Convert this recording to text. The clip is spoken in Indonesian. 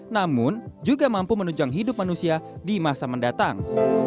namun juga mampu menunjang hidup manusia di masa mendatang